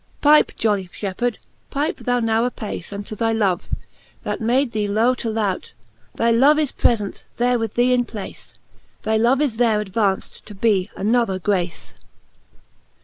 Pype, jolly fhepheard, pype thou now apace Unto thy love, that made thee low to lout; Thy love is prefent there with thee in place, Thy love is there advaunft to be another Grace.